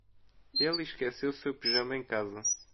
Ele esqueceu seu pijama em casa.